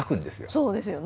そうですよね